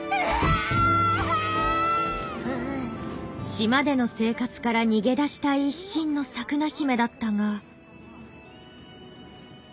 島での生活から逃げ出したい一心のサクナヒメだったが。